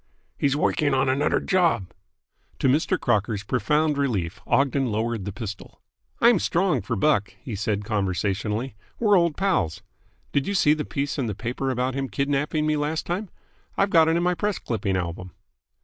"He's woiking on anudder job!" To Mr. Crocker's profound relief Ogden lowered the pistol. "I'm strong for Buck," he said conversationally. "We're old pals. Did you see the piece in the paper about him kidnapping me last time? I've got it in my press clipping album."